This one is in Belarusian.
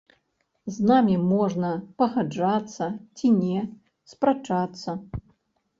З намі можна пагаджацца ці не, спрачацца.